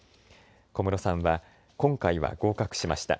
小室さんは、今回は合格しました。